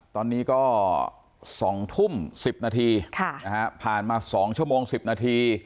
ตอนนี้ก็๒ทุ่ม๑๐นาทีผ่านมา๒ชั่วโมง๑๐นาที